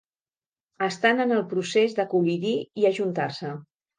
Estan en el procés de col·lidir i ajuntar-se.